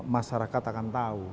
masyarakat akan tahu